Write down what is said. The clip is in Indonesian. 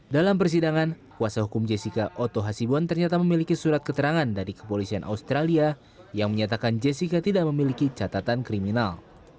dalam persidangan kuasa hukum jessica oto hasibuan ternyata memiliki surat keterangan dari kepolisian australia yang menyatakan jessica tidak memiliki catatan kriminal